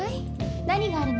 何があるの？